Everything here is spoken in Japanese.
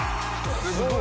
すごい。